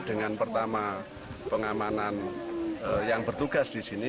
dengan pertama pengamanan yang bertugas di sini